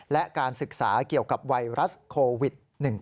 และการศึกษาเกี่ยวกับไวรัสโควิด๑๙